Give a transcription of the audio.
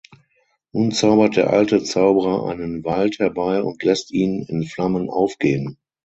Nun zaubert der alte Zauberer einen Wald herbei und lässt ihn in Flammen aufgehen.